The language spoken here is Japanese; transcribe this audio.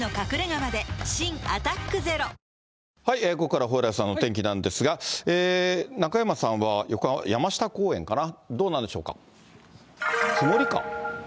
ここからは蓬莱さんのお天気なんですが、中山さんは横浜・山下公園かな、どうなんでしょうか、曇りか。